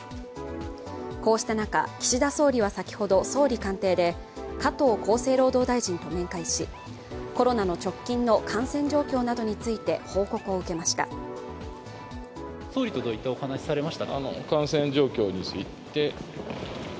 こうした中、岸田総理は先ほど総理官邸で加藤厚生労働大臣と面会し、コロナの直近の感染状況などについて報告を受けました。